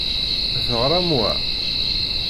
Teɣṛam wa?